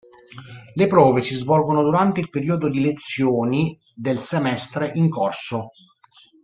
Le prove si svolgono durante il periodo di lezioni del semestre in corso.